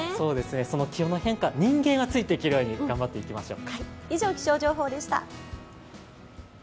その気温の変化、人間はついていけるように頑張っていきましょう。